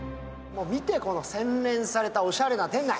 見て、この洗練されたおしゃれな店内。